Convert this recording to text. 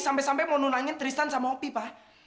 sampai sampai mau nunangin tristan sama opi pak